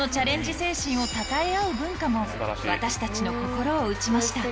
精神をたたえ合う文化も私たちの心を打ちました